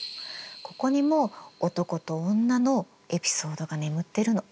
ここにも男と女のエピソードが眠ってるの。